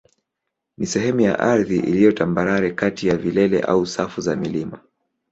ni sehemu ya ardhi iliyo tambarare kati ya vilele au safu za milima.